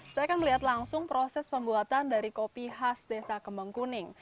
saya akan melihat langsung proses pembuatan dari kopi khas desa kembang kuning